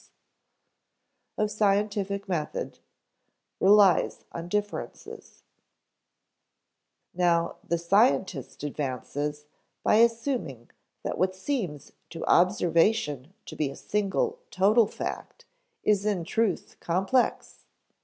[Sidenote: of scientific method] [Sidenote: Relies on differences,] Now the scientist advances by assuming that what seems to observation to be a single total fact is in truth complex.